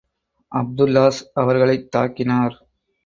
அப்துல்லாஹ் அவர்களைத் தாக்கினார்.